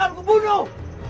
jangan lupa anakku